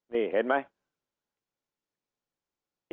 นี่เห็นไหม